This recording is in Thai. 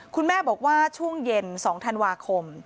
คุณแม่บอกว่าช่วงเย็น๒ธันวาคม